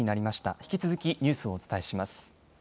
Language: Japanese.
引き続きニュースをお伝えします。